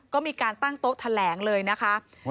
ก็มีการตั้งโต๊ะแถลงเลยนะคะ